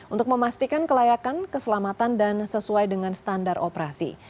untuk memastikan kelayakan keselamatan dan sesuai dengan standar operasi